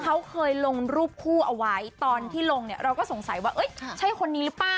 เขาเคยลงรูปคู่เอาไว้ตอนที่ลงเนี่ยเราก็สงสัยว่าใช่คนนี้หรือเปล่า